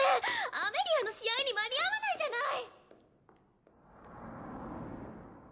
アメリアの試合に間に合わないじゃない！